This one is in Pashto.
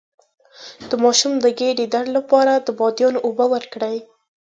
د ماشوم د ګیډې درد لپاره د بادیان اوبه ورکړئ